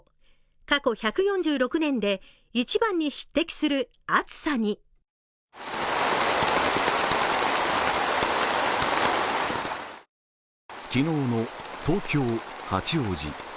過去１４６年で一番に匹敵する暑さに昨日の東京・八王子。